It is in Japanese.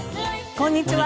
こんにちは。